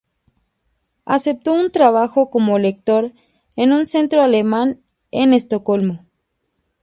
Aceptó un trabajo como lector en un centro alemán en Estocolmo.